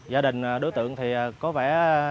gia đình đối tượng thì có vẻ